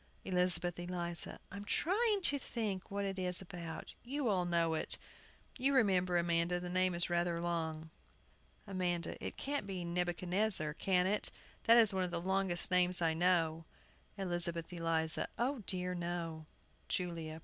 ] ELIZABETH ELIZA. I'm trying to think what it is about. You all know it. You remember, Amanda, the name is rather long. AMANDA. It can't be Nebuchadnezzar, can it? that is one of the longest names I know. ELIZABETH ELIZA. O dear, no! JULIA.